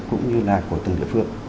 cũng như là của từng địa phương